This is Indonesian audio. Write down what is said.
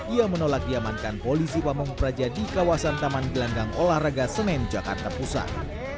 ia menolak diamankan polisi pamung praja di kawasan taman gelandang olahraga senen jakarta pusat